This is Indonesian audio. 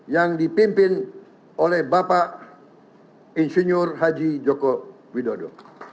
yang dipimpin oleh bapak insinyur haji joko widodo